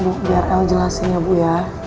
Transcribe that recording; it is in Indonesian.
ibu biar el jelasin ya ibu ya